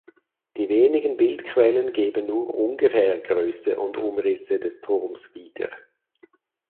Die wenigen Bildquellen geben nur ungefähr Größe und Umrisse des Turms wieder.